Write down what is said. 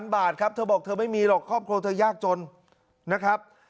บาทครับเธอบอกเธอไม่มีหรอกครอบครัวเธอยากจนนะครับ